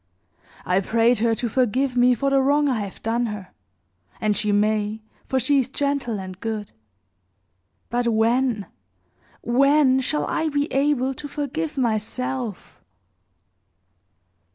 I prayed her to forgive me for the wrong I have done her; and she may, for she is gentle and good but when, when shall I be able to forgive myself?"